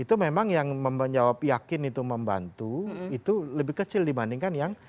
itu memang yang menjawab yakin itu membantu itu lebih kecil dibandingkan yang